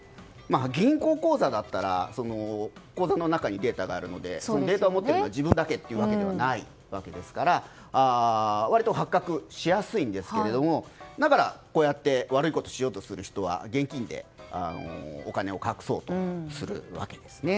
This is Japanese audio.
銀行口座だったら口座の中にデータがあるのでデータを持ってるのは自分だけというわけではないわけですから割と発覚しやすいんですがだから悪いことしようとする人は現金でお金を隠そうとするわけですね。